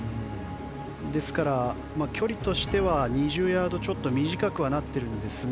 ですから距離としては２０ヤードちょっと短くはなっていますが。